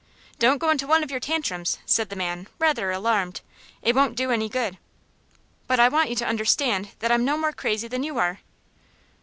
"Don't go into one of your tantrums," said the man, rather alarmed; "it won't do any good." "But I want you to understand that I am no more crazy than you are."